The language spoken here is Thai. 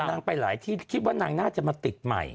นางไปหลายที่คิดว่านางน่าจะมาติดใหม่